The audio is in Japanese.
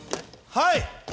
はい。